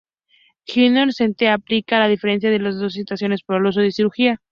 Knorr Cetina explica la diferencia de las dos situaciones por el uso de cirugía.